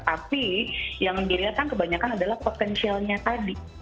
tapi yang dilihat kan kebanyakan adalah potensialnya tadi